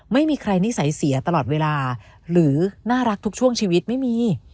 ไม่มีใครนิสัยเสียตลอดเวลาหรือน่ารักทุกช่วงชีวิตไม่มี